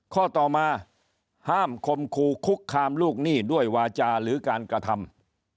ข้อต่อมาห้ามคมคู่คุกคามลูกหนี้ด้วยวาจาหรือการกระทำ